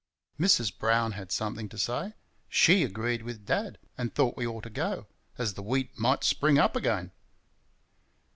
Mrs. Brown had something to say. SHE agreed with Dad and thought we ought to go, as the wheat might spring up again.